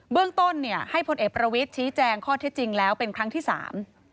เรื่องต้นเนี่ยให้พลเอกประวิทย์ชี้แจงข้อเท็จจริงแล้วเป็นครั้งที่สาม